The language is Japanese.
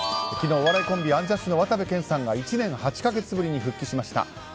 昨日、お笑いコンビアンジャッシュの渡部建さんが１年８か月ぶりに復帰しました。